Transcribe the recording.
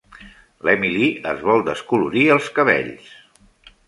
L'Emily es vol descolorir els cabells.